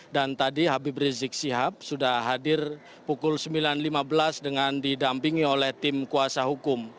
dan tadi habib rizik sibhab sudah hadir pukul sembilan lima belas dengan didampingi oleh tim kuasa hukum